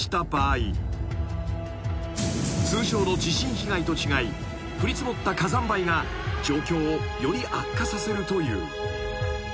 ［通常の地震被害と違い降り積もった火山灰が状況をより悪化させるという］